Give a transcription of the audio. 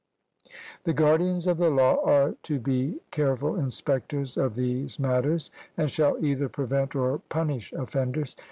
The guardians of the law are to be careful inspectors of these matters, and shall either prevent or punish offenders.